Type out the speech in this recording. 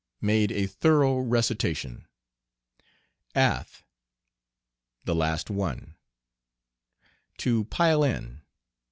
Made a thorough recitation. "Ath." The last one. "To pile in."